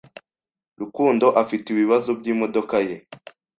Rukundo afite ibibazo byimodoka ye.